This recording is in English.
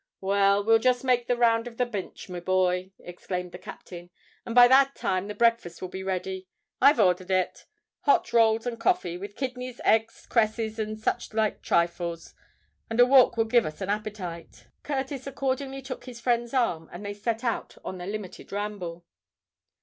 "Well—we'll just make the round of the Binch, me boy," exclaimed the captain; "and by that time the breakfast will be ready. I've orthered it—hot rolls and coffee, with kidneys, eggs, cresses, and such like thrifles; and a walk will give us an appetite." Curtis accordingly took his friend's arm; and they set out on their limited ramble.